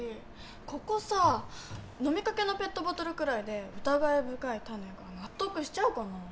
ここさぁ飲みかけのペットボトルくらいで疑い深いタネが納得しちゃうかな？